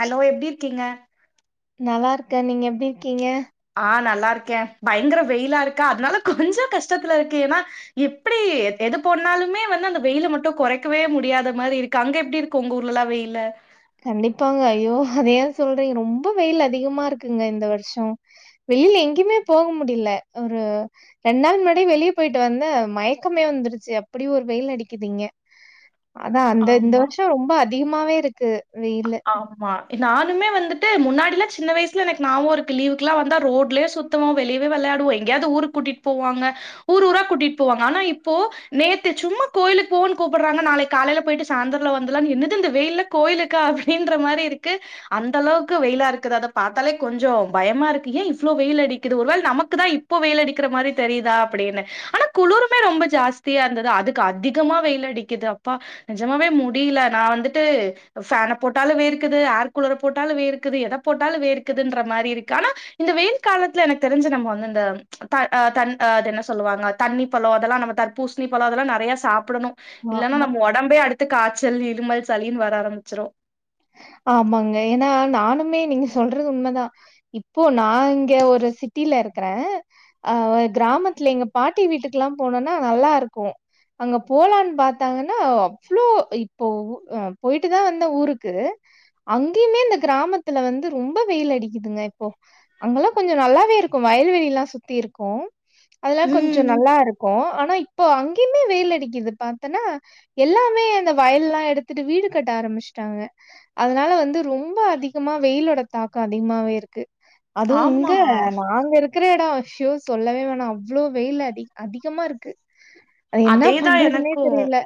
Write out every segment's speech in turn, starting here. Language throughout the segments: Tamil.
ஹலோ எப்டி இருக்கீங்க நல்லா இருக்கே நீங்க எப்டி இருக்கீங்க ஆ நல்லா இருக்கே பயங்கர வெயிலா இருக்கா அதனால கொஞ்சோ கஷ்டத்ல இருக்கே ஏன்னா எப்டி எத்‌ எது போண்ணாலுமே வந்து அந்த வெயிலு மட்டு கொறைக்கவே முடியாத மாரி இருக் கு அங்க எப்டி இருக்கு உங்க ஊர்லலா வெயிலு கண்டிப்பாங்க ஐயோ அதயே சொல்றீங்க ரொம்ப வெயில் அதிகமா இருக்குங்க இந்த வருஷோ வெயில்ல எங்கேயுமே போக முடியில ஒரு ரெண்டு நாள் முன்னாடி வெளிய போயிட்டு வந்தே மயக்கமே வந்திருச்சி அப்டி ஒரு வெயில் அடிக்குது இங்க அதா அந்த இந்த ஆமா வருஷோ ரொம்ப அதிகமாவே இருக்கு வெயிலு ஆமா நானுமே வந்துட்டு முன்னாடிலா சின்ன வயசில எனக்கு நாவோ இருக்கு லீவுக்குல்லா வந்தா ரோட்லே சுத் சுத்துவோ வெளியவே வெளயாடுவோ எங்கயாது ஊருக் கூட்டிட்டு போவாங்க ஊர் ஊரா கூட்டிட் போவாங்க ஆனா இப்போ நேத்து சும்மா கோயிலுக் போவோன்னு கூப்பிட்றாங்க நாளைக் காலைல போய்ட்டு சாந்திரல வந்துலா என்னது இந்த வெயில்ல கோயிலுக்கா அப்டின்ற மாரி இருக்கு அந்த அளவுக்கு வெயிலா இருக்குது அத பாத்தாலே கொஞ்சோ பயமா இருக்கு ஏ இவ்ளோ வெயில் அடிக்குது ஒருவேள் நமக்கு தா இப் இப்போ வெயில் அடிக்கிற மாரி தெரியுதா அப்டின்னு ஆனா குளிருமே ரொம்ப ஜாஸ்தியா இருந்தது அதுக்கு அதிகமா வெயில் அடிக் கிது அப்பா நெஜமாவே முடியில நா வந்துட்டு ஃபேன போட்டாலு வேர்க்குது ஆர்கூளர போட்டாலு வேர்க்குது எத போட்டாலு வேர்க்குதுன்ற மாரி இருக்கு ஆனா இந்த வெயில் காலத்ல எனக் தெரிஞ்சி நம்ம வந்து இந்த த அ தண் அ அதென்ன சொல்வாங்க தண்ணி பழோ அதெல்லா நம்ம தர்பூஸ்ணி பழோ அதெல்லா நெறய சாப்டணு இல்லனா ஆமா நம்ம ஒடம்பே அடுத்து காச்சல் இருமல் சளின்னு வர ஆரமிச்சிரு ஆமாங்க ஏனா நானுமே நீங்க சொல்றது உண்மதா இப்போ நா இங்க ஒரு சிட்டில இருக்கறே அ கிராமத்துல எங்க பாட்டி வீட்டுக்குல்லா போனேன்னா நல்லா இருக்கு அங்க போலான் பாத்தாங்கன்னா அவ்ளோ இப்போ போயிட்டுதா வந்தே ஊருக்கு அங்கயுமே இந்த கிராமத்தில வந்து ரொம்ப வெயில் அடிக்கிதுங்க இப்போ அங்கெல்லா கொஞ்சோ நல்லாவே இருக்கு வயல்வெளிலா சுத்தி இருக்கு அதெல்லா கொஞ்சோ ம் நல்லா இருக் கோ ஆனா இப்போ அங்கயுமே வெயில் அடிக்குது பாத்தனா எல்லாமே அந்த வயல்லா எடுத்துட்டு வீடு கட்ட ஆரம்சிட்டாங்க அதனால வந்து ரொம்ப அதிகமா வெயிலோட தாக்கோ அதிகமாவே இருக்கு அதுவு இங்க ஆமா நாங்க இருக் கிரயடோ சோ சொல்லவே வேணா அவ்ளோ வெயில் அதிக் அதிகமா இருக்கு அது என்ன அதேதா பண்றதின்னே எனக்கு தெரியல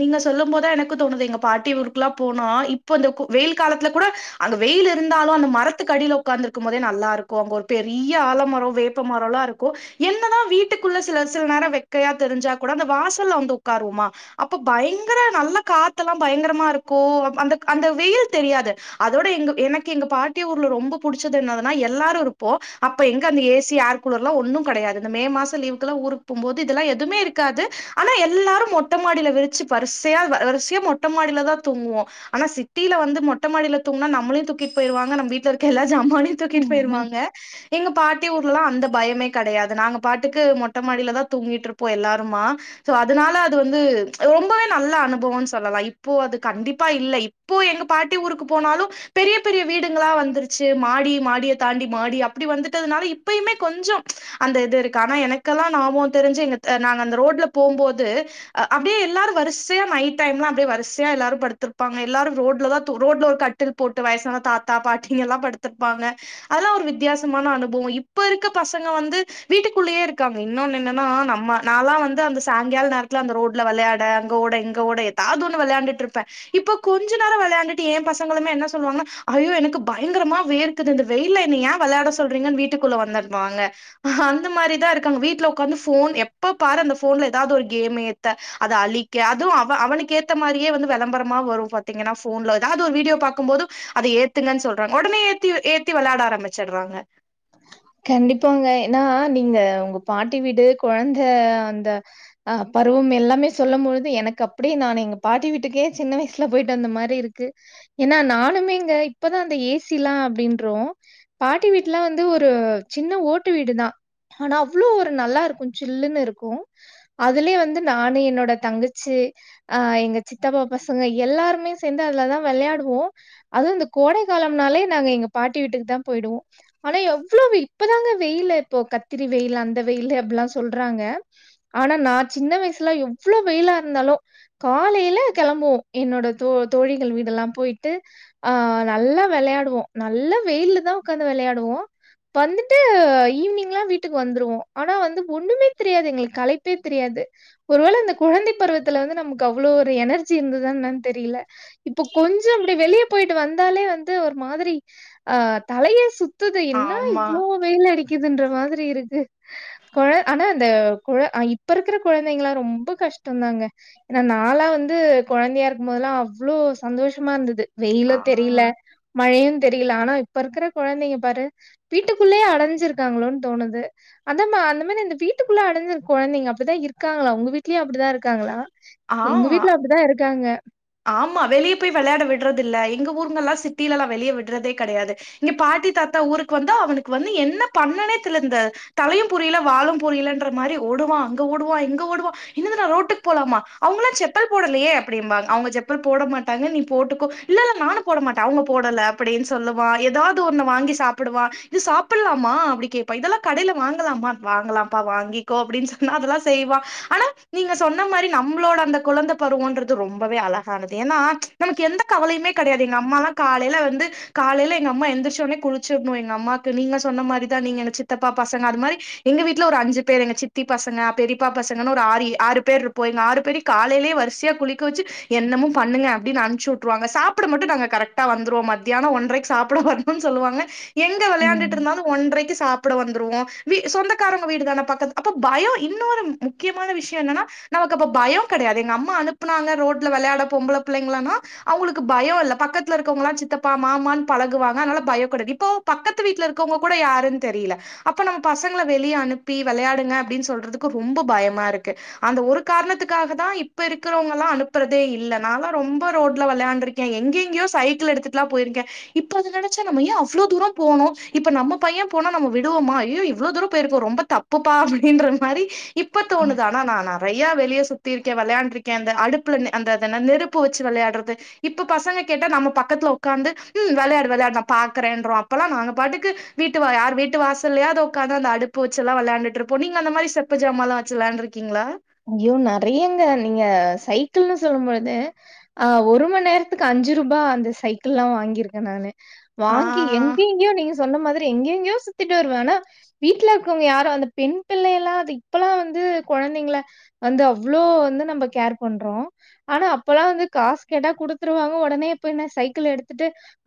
நீங்க சொல்லும் போதா எனக்கு தோணுது எங்க பாட்டி ஊருக்கெல்லா போனோ இப்ப இந்த கூ வெயில் காலத்தில கூட அங்க வெயில் இருந்தாலு அந்த மரத்துக்கு அடியில உட்காந்துருக்கு போதே நல்லாருக்கு அங்க ஒரு பெரிய ஆலமரோ வேப்ப மரோலா இருக்கு என்னதா வீட்டுக்குள்ள சில சில நேரோ வெக்கயா தெரிஞ்சா கூட அந்த வாசல்ல வந்து உக்காருவோமா அப்போ பயங்கர நல்ல காத்தெல்லா பயங்கரமா இருக்கு அந்த அந்த வெயில் தெரியாது அதோட எங்க எனக்கு எங்க பாட்டி ஊர்ல ரொம்ப புடிச்சது என்னதுனா எல்லாரு இருப்போ அப்ப எங்க அந்த ஏசி ஏர் ஏர்கூளர்லா ஒன்னு கெடயாது இந்த மே மாசோ லீவுக்கெல்லா ஊர்க் போம்போது இதெல்லா எதுமே இருக்காது ஆனா எல்லாரு மொத்தமா மாடில விரிச்சி வரிசயா வரிசயா மொட்ட மாடில தா தூங்குவோ ஆனா சிட்டில வந்து மொட்ட மாடில தூங்னா நம்மளயு தூக்கிட் போய்ருவாங்க நம்ம வீட்ல இருக்க எல்லா ஜாமானயு தூக்கிட் போயிருவாங்க எங்க பாட்டி ஊர்லல்லா அந்த பயமே கெடயாது நாங்க பாட்டுக்கு மொட்ட மாடிலதா தூங்கிட்டு இருப்போ எல்லாருமா சோ அதனால அது வந்து ரொம்பவே நல்ல அனுபவம்ன்னு சொல்லலா இப்போ அது கண்டிப்பா இல்ல இப்போ எங்க பாட்டி ஊருக்கு போனாலு பெரிய பெரிய வீடுங்களா வந்துருச்சு மாடி மாடிய தாண்டி மாடி அப்டி வந்துட்டதுனால இப்பயுமே கொஞ்சோ அந்த இது இருக்கு ஆனா எனக்கெல்லா ஞாபோ தெரிஞ்சி இந்த த நாங்க அந்த ரோட்ல போம்போது அ அப்டியே எல்லாரு வரிசையா நைட் டைம்லா அப்டியே வரிசையா எல்லாரு படுத்திருப்பாங்க எல்லாரு ரோட்லதா தூ ரோட்ல ஒரு கட் டில் போட்டு வயசான தாத்தா பாட்டிங்கல்லா படுத்திருப்பாங்க அதலா ஒரு வித்தியாசமான அனுபவோ இப்ப இருக்க பசங்க வந்து வீட்டுக்குள்ளயே இருக்காங்க இன்னொன் என்னன்னா நம்ம நாலா வந்து அந்த சாய்ங்கால நேரத்துல அந்த ரோட்ல வெளயாட அங்க ஓட இங்க ஓட ஏதாவது ஒன்னு வெளயாண்டுட்டு இருப்பே இப்போ கொஞ்ச நேரோ வெளயாண்டுட்டு ஏ பசங்களுமே என்ன சொல்லுவாங்க ஐயோ எனக்கு பயங்கரமா வேர்க் குது இந்த வெயில என்ன ஏ வெளயாட சொல்றீங்கன்னு வீட்டுக்குள்ள வந்துடுவாங்க அந்த மாரிதா இருக்காங் வீட்ல உக்காந்து ஃபோன் எப்ப பாரு அந்த ஃபோன்ல ஏதாவது ஒரு கேம் ஏத்த அத அழிக்க அதுவு அவ அவனுக்கு ஏத்த மாரியே வந்து வெளம்பரமா வரு பாத்தீங்கன்னா ஃபோன்ல ஏதாவது ஒரு வீடியோ பாக்கும்போது அத ஏத்துங்கன் சொல்றாங்க உடனே ஏத்தி ஏத்தி வெளாட ஆரம்பிச்சிடுறாங்க கண்டிப்பாங்க ஏன்னா நீங்க உங்க பாட்டி வீடு கொழந்த அந்த அ பருவம் எல்லாமே சொல்லம்பொழுது எனக்கு அப்டியே நான் எங்க பாட்டி வீட்டுக்கே சின்ன வயசு சுல போயிட்டு வந்த மாரி இருக்கு ஏன்னா நானுமே இங்க இப்பதா இந்த ஏசி எல்லா அப்டின்றோ பாட்டி வீட் லா வந்து ஒரு சின்ன ஓட்டு வீடுதா ஆனா அவ்ளோ ஒரு நல்லா இருக்கு சில்லுன்னு இருக்கு அதுலயே வந்து நானு என்னோட தங்கச்சி ஆ எங்க சித்தப்பா பசங்க எல்லாருமே சேந்து அதுலதா வெளயாடுவோ அதுவு இந்த கோடை காலம்னாலே நாங்க எங்க பாட்டி வீட்டுக்கு தா போயிடுவோ ஆனா எவ்ளோ இப்பதாங்க வெயிலு இப்போ கத்திரி வெயிலு அந்த வெயிலு அப்டிலா சொல்றாங்க ஆனா நா சின்ன வயசுல எவ்ளோ வெயிலா இருந்தாலு காலையில கெளம்புவோ என்னோட தோ தோழிகள் வீடல்லா போயிட்டு ஆ நல்லா வெளயாடுவோ நல்ல வெயில்ல தா உக்காந்து வெளயாடுவோ வந்துட்டு ஈவினிங்ல்லா வீட்டுக்கு வந்துருவோ ஆனா வந்து ஒண்ணுமே தெரியாது எங்களுக்கு கலைப்பே தெரியாது ஒருவேள இந்த கொழந்தை பருவத்துல வந்து நமக்கு அவ்ளோ ஒரு எனர்ஜி இருந்ததா என்னானு தெரியல இப்போ கொஞ்ச இப்படி வெளியே போயிட்டு வந்தாலே வந்து ஒரு மாதிரி ஆ தலையே சுத்துது என்ன ஆமா இவ்வளோ வெயில் அடிக்குதுன்ற மாதிரி இருக்கு கொழ ஆனா அந்த கொழ இப்ப இருக்கிற கொழந்தைங்கலா ரொம்ப கஷ்டம்தாங்க ஏன்னா நாளா வந்து கொழந்தையா இருக்கும்போதெல்லா அவ்வளவு சந்தோஷமா இருந்தது வெயிலு ஆ தெரில மழையு தெரில ஆனா இப்ப இருக்கிற கொழந்தைங்க பாரு வீட்டுக்குள்ளேயே அடஞ்சி இருக்காங்களோனு தோணுது அதம்மா அந்த மாரி அந்த வீட்டுக்குள்ள அடஞ்சிருக் கொழந்தைங்க அப்டிதா இருக்காங்ளா உங்க வீட் ட்லயு அப்டிதா இருக்காங்களா எங்க ஆ வீட்ல அப்டிதா இருக்காங்க ஆமா வெளியே போய் வெளயாட விடுறது இல்ல எங்க ஊர்ங்கங்ல்லா சிட்டிலல்லா வெளியே விடுறதே கெடயாது இங்க பாட்டி தாத்தா ஊருக்கு வந்தா அவனுக்கு வந்து என்ன பண்ணனே தெர்ல இந்த தலையு புரியல வாலு புரியலன்ற மாரி ஓடுவா அங்க ஓடுவா இங்க ஓடுவா இன்னது நா ரோட்டுக்கு போலாமா அவங்களல்லா செப்பல் போடலயே அப்டிம்பாங்க அவுங்க செப்பல் போட மாட்டாங்க நீ போட்டுக்கோ இல்லல்ல நானு போட மாட்ட அவுங்க போடல அப்புடின் சொல்லுவா எதாது ஒன்ன வாங்கி சாப்புடுவா இது சாப்புல்லாமா அப்டி கேப்பா இதெல்லா கடைல வாங்கலாமா வாங்கலா பா வாங்கிக்கோ அப்டின் சொன்னா அதெல்லா செய்வா ஆனா நீங்க சொன்னமாரி நம்ளோட அந்த கொழந்த பருவோன்றது ரொம் பவே அழகானது எனா நமக்கு எந்த கவலையுமே கெடயாது எங்க அம்மாலா காலைல வந்து காலைல எங்க அம்மா எந்திரிச்ச உட்னே குளிச்சிர்ணு எங்க அம்மாக்கு நீங்க சொன்ன மாரிதா நீங்க எங்க சித்தப்பா பசங்க அது மாரி எங்க வீட்ல ஒரு அஞ்சு பேர் எங்க சித்தி பசங்க பெரிப்பா பசங்கனு ஒரு ஆறு எ ஆறு பேர் இருப்போ எங்க ஆறு பேரியு காலைலயே வரிசியா குளிக்க வெச்சு என்னமோ பண்ணுங்க அப்டின் அனுப்ச்சி உட்ருவாங்க சாப்பட மட்டு நாங்க கரெக்டா வந்துருவோ மத்யானோ ஒன்றைக்கு சாப்ட வந் ம் சொல்லுவாங்க எங்க ம். விளையாடண்டுட்ருந்தாலு ஒன்றைக்கு சாப்பட வந்துருவோ வி சொந்தக்காரங்க வீடுதான பக்கத் அப்ப பயொ இன்னொரு முக் கியமான விஷ்யோ என்னன்னா நமக்கு அப்ப பயோ கடையாது எங்க அம்மா அனுப்புனாங்க ரோட்ல வெளையாட பொம்பள பிள்ளைங்களனா அவுங்களுக்கு பயோ இல்ல பக்கத்துல இருக்கவங்கல்லா சித்தப்பா மாமான் பழகுவாங்க அதனால பயொகிடையாது இப்போ பக்கத்து வீட்ல இருக்கவ்ங்ககூட யாருன் தெரில அப்ப நம்ம பசங்கள வெளிய அனுப்பி வெளையாடுங்க அப்டின் சொல்றதுக்கு ரொம்ப பயமா இருக்கு அந்த ஒரு காரணத்துக்காகதா இப்ப இருக் இருக்குறவங்களா அனுப்புறதே இல்ல நாளா ரொம்ப ரோட்ல வெளையாண்டு இருக்கே எங்கெங்கயோ சைக்கிள் எடுத்துட்டுல்லா போய்ருக்க இப்போ அத நெனச்சா நம்ம ஏ அவ்ளோ தூரோ போனோ இப்ப நம்ம பைய போனா நம்ம விடுவோமா அயோ இவ்ளோ தூரோ போய்ருக்கோ ரொம்ப தப் புப்பா அப்டின்ற மாரி இப்பதோனுது ஆனா நா நறைய வெளிய சுத்தி இருக்கே வெளையாண்ருக் க அந்த அடுப்புல அந்த அந் நெருப்பு வெச்சு வெளையாட்றது இப்ப பசங்க கேட்டா நம்ம பக்கத்துல ஒக்காந்து ம் வெளையாடு வெளையாடு நா பாக்குறேன்றோ அப்பல்லா நாங்க பாட்டுக்கு வீட்டு வா யார் வீட்டு வாசல்லயாவது ஒக்காந்து அந்த அடுப்பு வெச்சல்லா வெளையாண்டுட்ருப்போ நீங்க அந்த மாரி செப்பு ஜாமாலா வெச்சு வெளையாண்ருக் கீங்ளா ஐயோ நறையாங்க நீங்க சைக்கிள்னு சொல்லும்போது ஆ ஒரு மண்நேரத்துக்கு அஞ்சு ரூபா அந்த சைக்கிள்லா வாங்கிருக்க நானு ஆ வாங்கி எங் எங் எங்கயோ நீங்க சொன்ன மாரி எங்க எங்கயோ சுத்திட்டு வருவே ஆனா வீட்ல இருக்கவங்க யாரு அந்த பெண் பிள்ளையலா அது இப்பல்லா வந்து கொழந்தைங்கள வந்து அவ்ளோ வந்து நம்ப கேர் பண்றோ ஆனா அப்பல்லா வந்து காஸ் கேட்டா குடுத்துருவாங்க உடனே இப்ப என்ன சைக்கிள் எடுத்துட்டு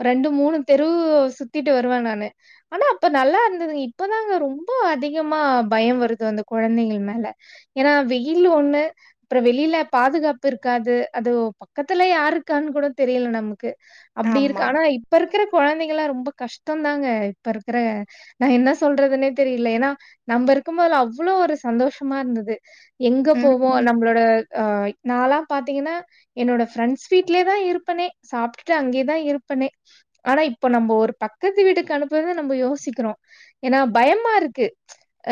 ரெண்டு மூணு தெரு சுத்திட்டு வருவே நானு ஆனா அப்ப நல்லா இருந்தது இப்பதாங்க ரொம்ப அதிகமா பயோ வருது அந்த கொழந்தைங்கள் மேல எனா வெயில் ஒன்னு அப்புறோ வெளில பாதுகாப்பு இருக்காது அது பக்கத்துல யாரு இருக்கான் கூட தெரியல நமக்கு அப்டி இருக்கு ஆமா ஆனா இப்ப இருக்குற கொழந்தைங்கலா ரொம்ப கஷ்டோ தாங்க இப்ப இருக்குற நா என்ன சொல்றதுன்னே தெரில எனா நம்ப இருக்கும்போதுலா அவ்ளோ ஒரு சந்தோஷமா இருந்தது எங்க போவோ ம் நம்ளோட ஆ நாலா பாத்தீங்கன்னா என்னோட ஃப்ரெண்ஸ் வீட்லேதா இருப்பனே சாப்ட்டுட்டு அங்யேதா இருப்பனே ஆனா இப்ப நம்ப ஒரு பக்கத்து வீட்டுக்கு அனுப்புறது நம்ப யோசிக்கிறோ எனா பயமா இருக்கு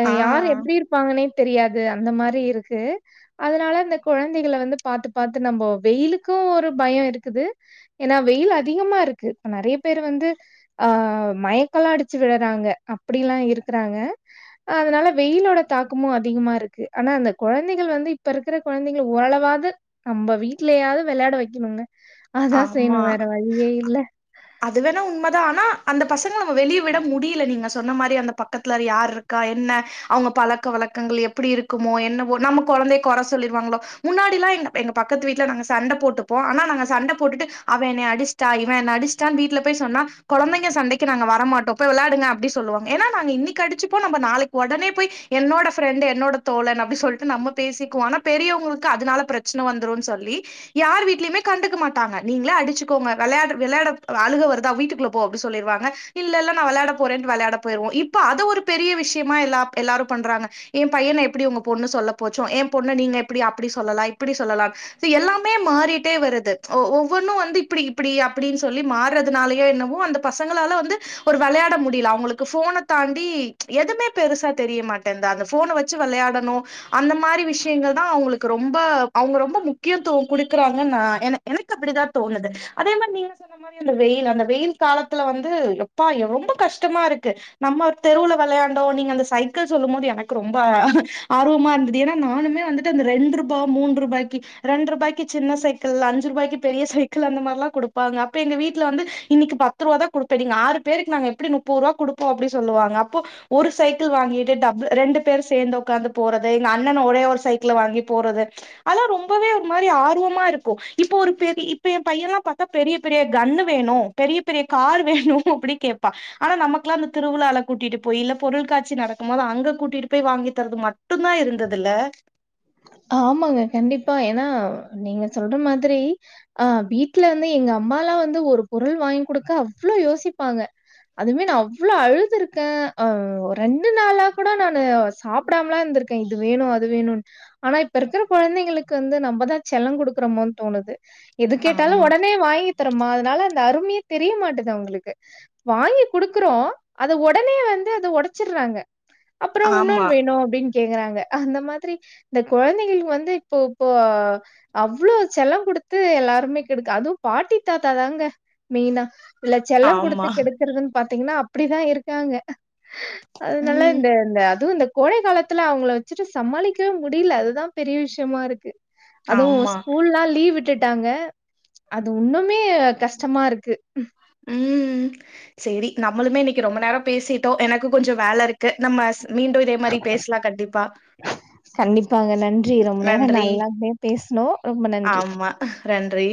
அ ஆ யார் எப்டி இருப்பாங்கன்னே தெரியாது அந்த மாரி இருக்கு அதனால இந்த கொழந்தைகள வந்து பாத்து பாத்து நம்ப வெயிலுக்கு ஒரு பயோ இருக்குது எனா வெயில் அதிகமா இருக்கு நறைய பேரு வந்து ஆ மயக்கலா அடிச்சி விழறாங்க அப்டிலா இருக்றாங்க அதனால வெயிலோட தாக்கமு அதிகமா இருக்கு ஆனா அந்த கொழந்தைகள் வந்து இப்ப இருக்குற கொழந்தைகள ஓரளவாது நம்ப வீட்லயாவ்து வெளையாட வெக்கணுங்க அதா செய்யணு ஆமா வேற வழியே இல்ல அது வேணா உண்மதா ஆனா அந்த பசங்கள நம்ம வெளியே விட முடில நீங்க சொல் சொன்ன மாரி அந்த பக்கத்துல யார்ருக்கா என்ன அவங்க பழக்க வழக்கங்கள் எப்டி இருக்குமோ என்னவோ நம்ம கொழந்தைய குற சொல்லிருவாங்களோ முன்னாடியெலா எ எங்க பக்கத்து வீட்ல நாங்க சண்ட போட்டுப்போ ஆனா நாங்க சண்ட போட்டுட்டு அவே என்னெய் அடிச்ட்டா இவன் என்ன அடிச்ட்டா வீட்ல போய் சொன்னா கொழந்தைங்க சண்டைக்கு நாங்க வரமாட்டோ இப்ப வெளாடுங்க அப்டி சொல்லுவாங்க ஏனா நாங்க இன்னைக்கு அடிச்சுப்போ நம்ப நாளைக் உடனே போய் என்னோட பிரெண்டு என்னோட தோழன் அப்டி சொல்ட்டு நம்ம பேசிக்வோ ஆனாப் பெரியவங்ளுக்கு அதனால பிரச்சன வந்துரு சொல்லி யார் வீட்லயுமே கண்டுக்க மாட் ட்டாங்க நீங்ளே அடிச்சுக்கோங்க வெளாட வெளயாட அழுக வருதா வீட்டுக்குள்ள போ அப்டினு சொல்லிருவாங்க இல்லல்ல நா வெளா போறேன்ட்டு வெளாட போயிருவோ இப்ப அத ஒரு பெரிய விஷயமா எல்லா எல்லாரு பண்றாங்க ஏ பையன எப்டி உங்க பொண்ணு சொல்ல போச்சோ ஏ பொண்ண நீங்க எப்டி அப்டி சொல்லலா இப்டி சொல்லலா அது எல்லாமே மாறிட்டே வருது ஒவ்வொன்னு வந்து இப்டி இப்டி அப்டின்னு சொல்லி மாறதுனாலயோ என்னவோ அந்த பசங்களால வந்து ஒரு வெளாட முடில அவங்ளுக்கு ஃபோன தாண்டி எதுவுமே பெருசா தெரி மாட்டேன்ந்து அந்த ஃபோன வச்சு வெச்சு வெளயாடணு அந்த மாரி விஷயங்கள்தா அவுங்ளுக்கு ரொம்ப அவுங்க ரொம்ப முக்கியத்துவ குடுக்குறாங்க நா என எனக்கப்படிதா தோணுது அதே மாரி நீங்க சொல்ற அ மாரி அந்த வெயிலு அந்த வெயில் காலத்துல வந்து எப்பா ரொம்ப கஷ்டமாருக்கு நம்ம ஒரு தெருவுல வெளயாண்டோ நீங்க அந்த சைக்கிள் சொல்லு போது எனக் ரொம்ப ஆர்வமா இருந்தது ஏனா நானுமே வந்துட் ட்டு ரெண்டுர்பா மூன்ரூபாய்க்கி ரெண்ட் ரூாய்கி சின்ன சைக்கல்லான் அஞ்சிருபாய்க்கி பெரிய சைக்கிள் அந்த மாரிலா குடுப்பாங்க அப்ப எங்க வீட்ல வந்து இன்னைக் பத்ருவாதா குடு இப்பநீங்க ஆறு பேருக்கு நாங்க எப்டி நுப்பது ரூவா குடுப்போ அப்டி சொல்லுவாங்க அப்போ ஒரு சைக்கிள் வாங்கிட்டு டபுள் ரெண்டு பேர் சேர்ந்து ஒக்காந்து போறது எங்க அண்ணன ஒரே ஒரு சைக்கிள் வாங்கி போறது அதலா ரொம்பவே ஒரு மாரி ஆர்வமாருக்கு இப்போ ஒரு பெரி இப்ப ஏ பையல்லா பாத்தா பெரிய பெரிய கன்னு வேணூ பெரிய பெரிய காரு வேணூ அப்டி கேட்பா ஆனா நமக்கெல்லா இந்த திருழால கூட்டிட்டு போயி இல்ல பொருள்காட்சி நடக்கு போது அங்க கூட்டிட்டு போயி வாங்கி தரது ம ட்டுதா இருந்ததுல ஆமாங்க கண்டிப்பா ஏனா நீங்க சொல்ற மாதிரி ஆ வீட்லந்து எங்க அம்மாலா வந்து ஒரு பொருள் வாங்கி குடுக்க அவ்ளோ யோசிப்பாங்க அதுமே நா அவ்ளோ அழுதுருக்கே அ ரெண்டு நாளா கூட நானு சாப்டாமலா இருந்திர்க்கே இது வேணூ அது வேணூனு ஆனா இப்பருக்கிற கொழந்தைங்களுக்கு வந்து நம்மதா செல்லம் குடுக்குறமோனு தோணுது எது கேட்டாலு ஆமா ஒடனே வாங்கி தரமா அதனால அந்த அருமயே தெரிய மாட்டது அவுங்ளுக்கு வாங்கி குடுக்குறோ அத ஒடனே வந்து அத ஒடச்சிர்றாங்க அப்றோ உன்னொன் ஆமா வேணு அப்டின்னு கேக்குறாங்க அந்த மாதிரி இந்த கொழந்தைகளுக் வந்து இப்பொப்போ அவ்ளோ செல்லொ குடுத்து எல்லாருமே கெடுக்கு அதும் பாட்டி தாத்தாதாங்க மெயினா இவ்ல செல்ல குடுத்து ஆமா கெடுக்கறதுன்னு பாத்தீங்கனா அப்டிதா இருக்காங்க அதனால ம் இந்த இந்த அதுவு இந்த கோடை காலத்துல அவுங்கள வச்சுட்டு சமாளிக்கவே முடில அதுதா பெரிய விஷயமா இருக்கு அதுவு ஆமா ஸ்கூல்லா லீவ் விட்டுட்டாங்க அது உண்ணுமே கஷ்டமாருக்கு ம்ம் சரி நம்மளுமே இன்னைக்கு ரொம்ப நேரோ பேசிட்டோ எனக்குகொஞ்ச வேலருக்கு நம்ம ச மீண்டும் இதே மாதிரி பேசலா கண்டிப்பா கண்டிப்பாங்க நன்றி ரொம்ப நேரோ நன்றி நல்லாேவே பேசனோ ரொம்ப நன்றி ரன்றி